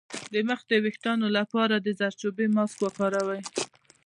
د مخ د ويښتانو لپاره د زردچوبې ماسک وکاروئ